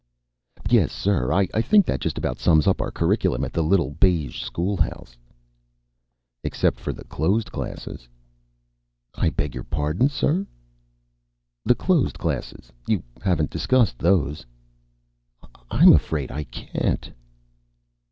_) "Yes, sir, I think that just about sums up our curriculum at the Little Beige Schoolhouse." "Except for the closed classes." "I beg your pardon, sir?" "The closed classes. You haven't discussed those." "I'm afraid I can't."